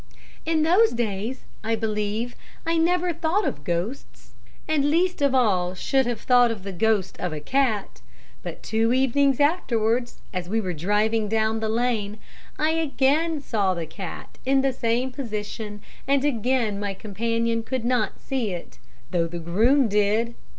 "In those days, I believe, I never thought of ghosts, and least of all should have thought of the ghost of a cat; but two evenings afterwards, as we were driving down the lane, I again saw the cat in the same position and again my companion could not see it, though the groom did.